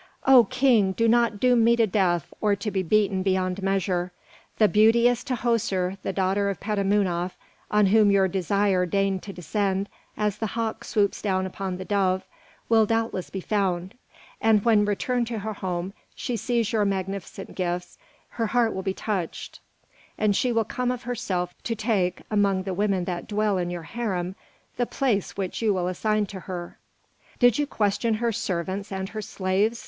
"O King, do not doom me to death or to be beaten beyond measure. The beauteous Tahoser, the daughter of Petamounoph, on whom your desire deigned to descend as the hawk swoops down upon the dove, will doubtless be found; and when, returned to her home, she sees your magnificent gifts, her heart will be touched, and she will come of herself to take, among the women that dwell in your harem, the place which you will assign to her." "Did you question her servants and her slaves?"